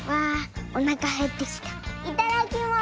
いただきます！